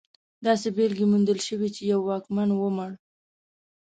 داسې بېلګې موندلی شو چې یو واکمن ومړ.